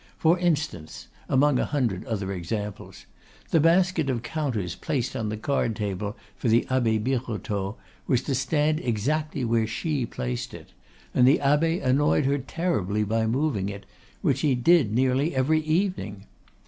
For instance (among a hundred other examples), the basket of counters placed on the card table for the Abbe Birotteau was to stand exactly where she placed it; and the abbe annoyed her terribly by moving it, which he did nearly every evening.